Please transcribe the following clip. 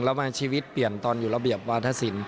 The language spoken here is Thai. แล้วมาชีวิตเปลี่ยนตอนอยู่ระเบียบวาธศิลป